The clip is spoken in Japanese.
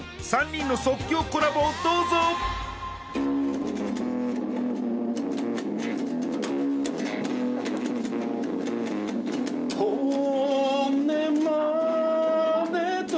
３人の即興コラボをどうぞおおっ！